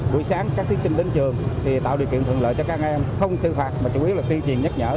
buổi sáng các thí sinh đến trường thì tạo điều kiện thuận lợi cho các em không xử phạt mà chủ yếu là tuyên truyền nhắc nhở